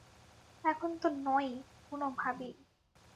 এখন তো নয়ই, কোনভাবেই।